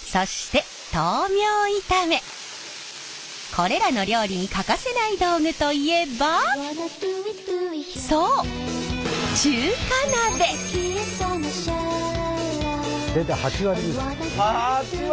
そしてこれらの料理に欠かせない道具といえばそう８割！？